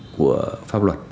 của pháp luật